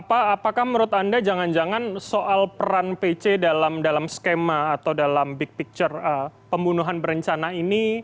apakah menurut anda jangan jangan soal peran pc dalam skema atau dalam big picture pembunuhan berencana ini